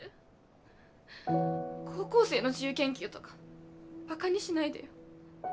高校生の自由研究とかバカにしないでよ。